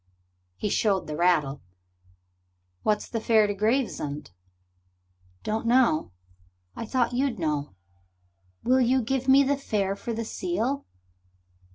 He showed the rattle. "What's the fare to Gravesend?" "Don't know. I thought you'd know. Will you give me the fare for the seal?"